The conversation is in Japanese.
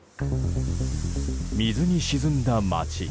水に沈んだ街。